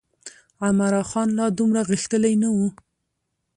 عمرا خان لا دومره غښتلی نه و.